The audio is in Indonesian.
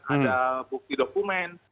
ada bukti dokumen